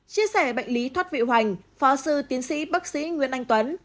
chia sẻ bệnh lý thoát vị hoành phó sư tiến sĩ bác sĩ nguyễn anh tuấn